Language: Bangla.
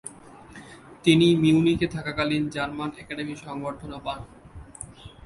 তিনি মিউনিখে থাকাকালীন জার্মান একাডেমি সংবর্ধনা পান।